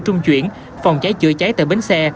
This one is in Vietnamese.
trung chuyển phòng cháy chữa cháy tại bến xe